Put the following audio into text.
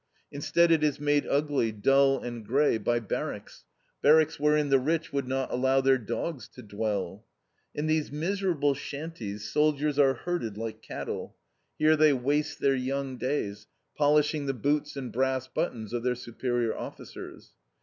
Instead it is made ugly, dull, and gray by barracks, barracks wherein the rich would not allow their dogs to dwell. In these miserable shanties soldiers are herded like cattle; here they waste their young days, polishing the boots and brass buttons of their superior officers.